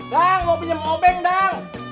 dang mau pinjem obeng dang